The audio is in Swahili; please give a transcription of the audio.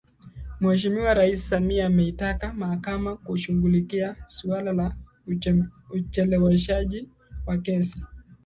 Mheshimiwa Rais Samia ameitaka Mahakama kushughulikia suala la ucheleweshwaji wa kesi